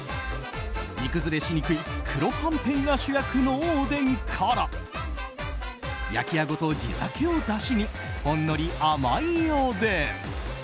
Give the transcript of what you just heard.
煮崩れしにくい黒はんぺんが主役のおでんから焼きアゴと地酒をだしにほんのり甘いおでん。